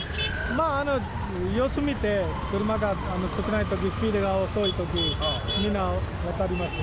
まあ、様子見て、車が少ないとき、スピードが遅いとき、みんな渡りますよ。